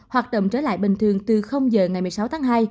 hoạt động trở lại bình thường từ giờ ngày một mươi sáu tháng hai